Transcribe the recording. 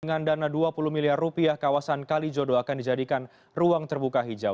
dengan dana dua puluh miliar rupiah kawasan kalijodo akan dijadikan ruang terbuka hijau